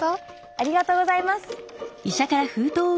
ありがとうございます！